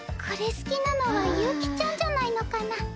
これ好きなのは悠希ちゃんじゃないのかな。